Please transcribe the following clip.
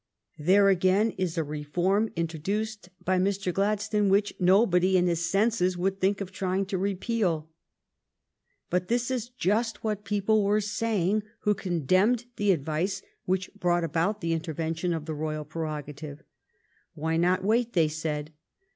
There again is a reform introduced by Mr. Glad stone which nobody in his senses would think of trying to repeal. But this is just what people were saying who condemned the advice which brought about the intervention of the royal pre rogative. "Why not wait?" they said.